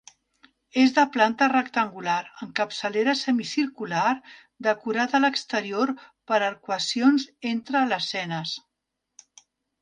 És de planta rectangular amb capçalera semicircular decorada a l'exterior per arcuacions entre lesenes.